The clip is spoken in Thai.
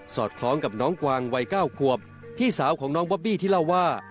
อดคล้องกับน้องกวางวัย๙ขวบพี่สาวของน้องบอบบี้ที่เล่าว่า